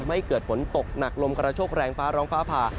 ไม่เกิดฝนตกหนักลมกระโชคแรงฟ้าร้องฟ้าผ่า